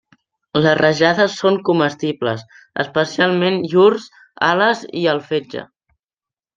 Les rajades són comestibles, especialment llurs ales i el fetge.